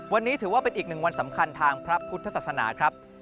วันนี้ถือว่าเป็นอีกหนึ่งวันสำคัญทางพระพุทธศาสนาครับ